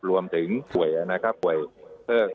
รวมถึงป่วยนะครับป่วยเชิก